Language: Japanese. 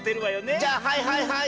じゃあはいはいはい！